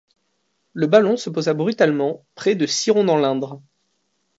Le ballon se posa brutalement près de Ciron dans l’Indre.